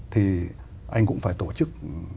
thì anh cũng phải tổ chức